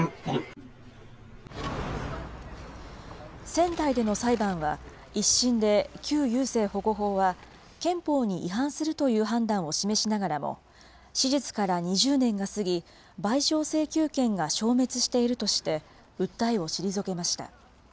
仙台での裁判は、１審で旧優生保護法は、憲法に違反するという判断を示しながらも、手術から２０年が過ぎ、賠償請求権が消滅しているとして、訴えを退けました。